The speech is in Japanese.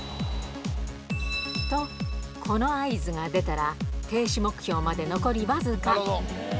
と、この合図が出たら、停止目標まで残り僅か。